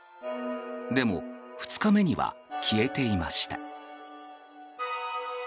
でも２日目には消えていました。